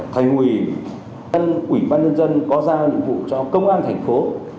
thành quỷ quỷ ban nhân dân có giao nhiệm vụ cho công an thành phố